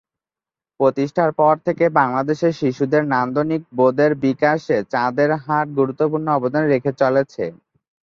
প্রতিষ্ঠার পর থেকে বাংলাদেশের শিশুদের নান্দনিক বোধের বিকাশে চাঁদের হাট গুরুত্বপূর্ণ অবদান রেখে চলেছে।